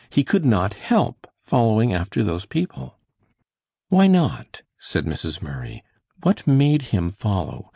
He could not help following after those people." "Why not?" said Mrs. Murray. "What made him follow?